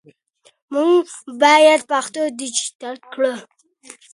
موږ باید پښتو ډیجیټل کړو